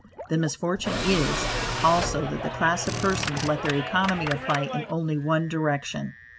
The misfortune is, also, that this class of persons let their economy apply in only one direction.